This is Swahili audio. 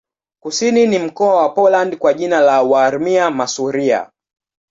Kusini ni mkoa wa Poland kwa jina la Warmia-Masuria.